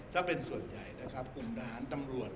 ถ้าเป็นส่วนใหญ่นะครับกลุ่มทหารตำรวจ